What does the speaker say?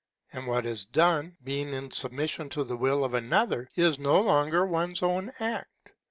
And what is done, being in submission to the will of another, is no longer one's own act.